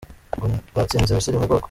ngo rwatsinze Misiri mu bwoko